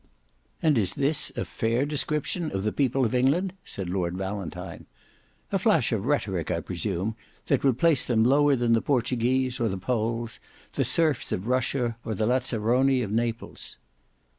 "And is this a fair description of the people of England?" said Lord Valentine. "A flash of rhetoric, I presume, that would place them lower than the Portuguese or the Poles, the serfs of Russia or the Lazzaroni of Naples."